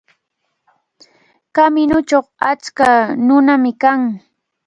Kamiñuchaw achka nunam kan.